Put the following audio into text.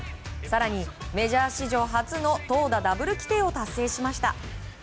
更に、メジャー史上初の投打ダブル規定を達成しました。